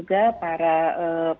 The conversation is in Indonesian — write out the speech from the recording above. terima kasih pak menteri